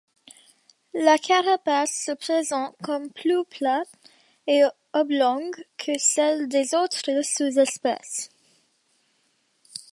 La carapace se présente comme plus plate et oblongue que celle des autres sous-espèces.